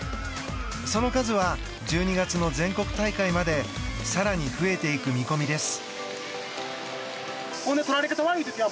その数は１２月の全国大会まで更に増えていく見込みです。